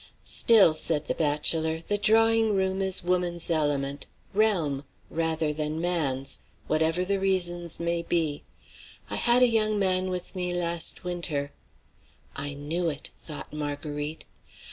"Still," said the bachelor, "the drawing room is woman's element realm rather than man's, whatever the reasons may be. I had a young man with me last winter" "I knew it!" thought Marguerite.